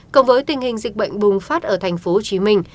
cộng với tình hình dịch bệnh bùng phát ở thành phố hồ chí minh